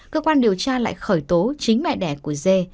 cơ quan điều tra lại khởi tố chính mẹ đẻ của dê